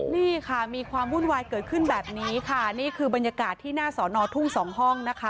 นี่ค่ะมีความวุ่นวายเกิดขึ้นแบบนี้ค่ะนี่คือบรรยากาศที่หน้าสอนอทุ่งสองห้องนะคะ